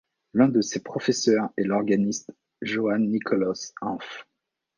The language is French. L'un de ses professeurs est l'organiste Johann Nikolaus Hanff.